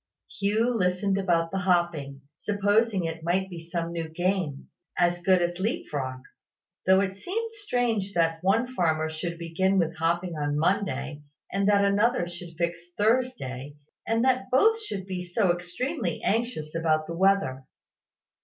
Hugh listened about the hopping, supposing it might be some new game, as good as leap frog; though it seemed strange that one farmer should begin hopping on Monday, and that another should fix Thursday; and that both should be so extremely anxious about the weather.